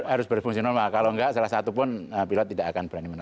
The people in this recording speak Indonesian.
harus berfungsi normal kalau nggak salah satupun pilot tidak akan berani menang